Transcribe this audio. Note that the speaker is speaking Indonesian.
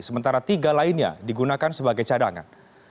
sementara tiga lainnya digunakan sebagai cadangan